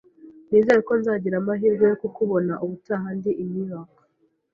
Nizere ko nzagira amahirwe yo kukubona ubutaha ndi i New York.